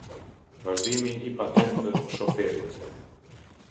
Vazhdimi i patentë shoferit.